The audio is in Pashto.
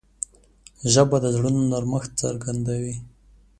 ژبه د زړونو نرمښت څرګندوي